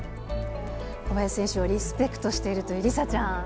小林選手をリスペクトしているという梨紗ちゃん。